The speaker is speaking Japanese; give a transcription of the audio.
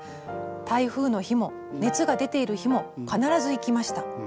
台風の日も熱が出ている日も必ず行きました。